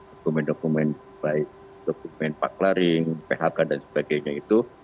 dokumen dokumen baik dokumen paklaring phk dan sebagainya itu